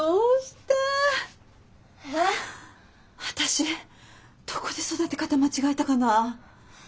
私どこで育て方間違えたかな？